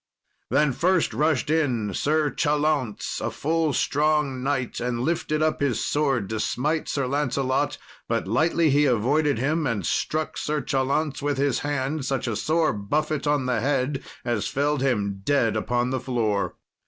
Then first rushed in Sir Chalaunce, a full strong knight, and lifted up his sword to smite Sir Lancelot; but lightly he avoided him, and struck Sir Chalaunce, with his hand, such a sore buffet on the head as felled him dead upon the floor.